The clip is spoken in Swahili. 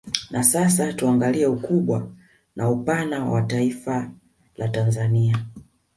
Na sasa tuangalie ukubwa na upana wa Taifa la Tanzania